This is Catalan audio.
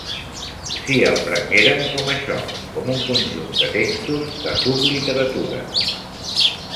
Si el prenguérem com això, com un conjunt de textos de subliteratura...